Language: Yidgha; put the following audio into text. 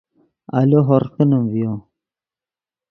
آلو ہورغ کینیم ڤیو